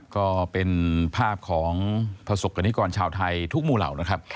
ก็เป็นภาพของประสบกรณิกรชาวไทยทุกหมู่เหล่านะครับ